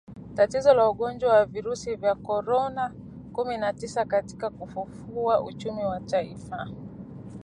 tatizo la ugonjwa wa virusi vya Korona kumi na tisa katika kufufua uchumi wa taifa